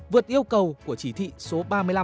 vượt yêu cầu của chỉ thị số ba mươi năm